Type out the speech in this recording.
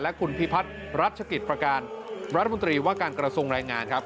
คุณพิพัฒน์รัชกิจประการรัฐมนตรีว่าการกระทรวงรายงานครับ